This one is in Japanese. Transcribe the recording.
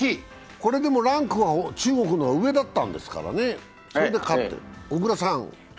これランクは中国の方が上だったんですからね、それで勝ってる。